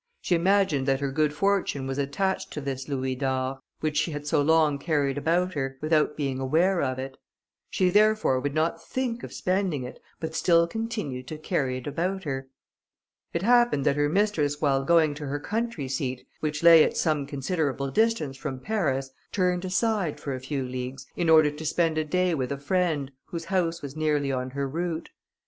She imagined that her good fortune was attached to this louis d'or, which she had so long carried about her, without being aware of it. She therefore would not think of spending it, but still continued to carry it about her. It happened that her mistress while going to her country seat, which lay at some considerable distance from Paris, turned aside, for a few leagues, in order to spend a day with a friend, whose house was nearly on her route.